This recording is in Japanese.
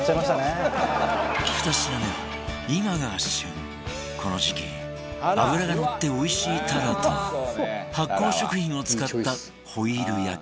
２品目は今が旬この時期脂がのっておいしいタラと発酵食品を使ったホイル焼き